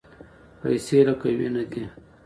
پیسې لکه وینه دي.